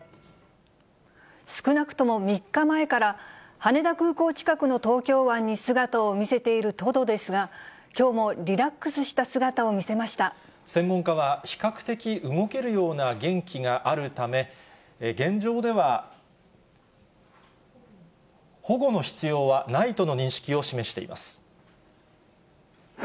少なくとも３日前から、羽田空港近くの東京湾に姿を見せているトドですが、きょうもリラ専門家は、比較的動けるような元気があるため、現状では保護の必要はないとの認識を示しています。